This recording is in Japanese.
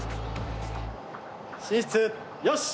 進出よし。